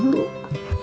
nenek mau pulang dulu